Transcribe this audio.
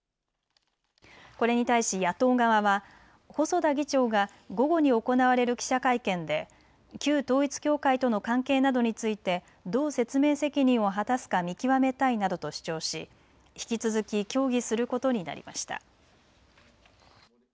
これに対し野党側は細田議長が午後に行われる記者会見で旧統一教会との関係などについてどう説明責任を果たすか見極めたいなどと主張し引き続き協議することになりました。